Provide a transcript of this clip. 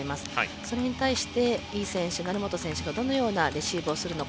それに対して井選手、成本選手がどのようなレシーブをするのか。